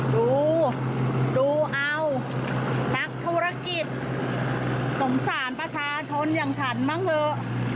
ดูดูเอานักธุรกิจสงสารประชาชนอย่างฉันบ้างเถอะ